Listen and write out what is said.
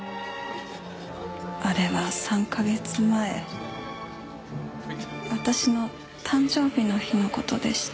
あれは３か月前私の誕生日の日の事でした。